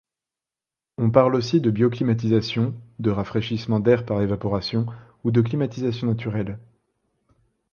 On parle aussi de bioclimatisation, de rafraîchissement d'air par évaporation ou de climatisation naturelle.